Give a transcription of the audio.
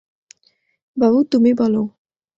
বাবা তুমি বলো।